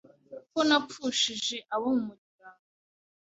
ko napfushije abo mu muryango,